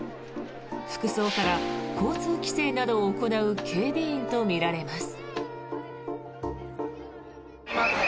服装から交通規制などを行う警備員とみられます。